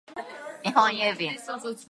日本郵便